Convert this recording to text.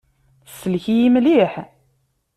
Tsellek-iyi mliḥ.